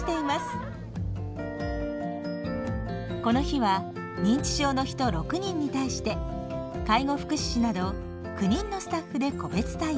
この日は認知症の人６人に対して介護福祉士など９人のスタッフで個別対応。